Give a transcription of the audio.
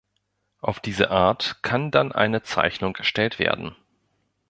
Auf diese Art kann dann eine Zeichnung erstellt werden.